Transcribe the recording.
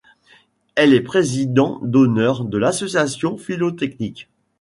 Il est président d'honneur de l'Association philotechnique.